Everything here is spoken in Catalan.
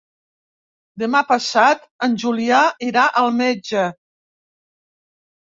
Demà passat en Julià irà al metge.